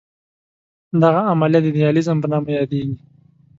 دغه عملیه د دیالیز په نامه یادېږي.